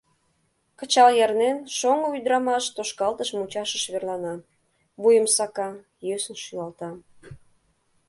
Кычал ярнен, шоҥго ӱдырамаш тошкалтыш мучашыш верлана, вуйым сака, йӧсын шӱлалта.